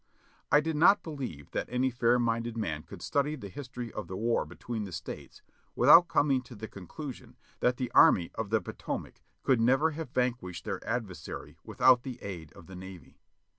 I do not believe that any fair minded man can study the his tory of the war between the States without coming to the con clusion that the Army of the Potomac could never have van quished their adversary without the aid of the Navy.